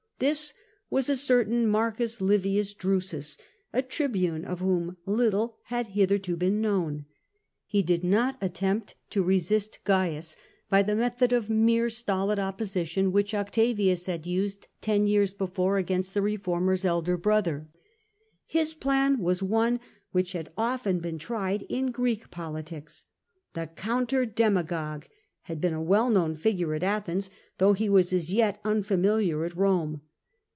This was a certain Marcus Livius Drusus, a tribune of whom little had hitherto been known. He did not attempt to resist Cains by the method of mere stolid opposition, which Octavius had used ten years before against the reformer's elder brother. His plan was one which had often been tried in Greek politics. The counter demagogue had been a well known figure at Athens, though he was as yet unfamiliar at Eome.